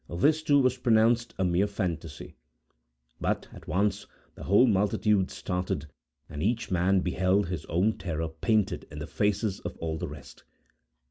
This, too, was pronounced a mere fantasy. But, at once, the whole multitude started, and each man beheld his own terror painted in the faces of all the rest.